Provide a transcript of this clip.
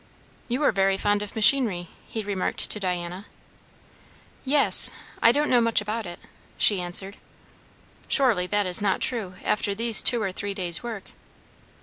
"You are very fond of machinery," he remarked to Diana. "Yes I don't know much about it," she answered. "Surely that is not true after these two or three days' work?"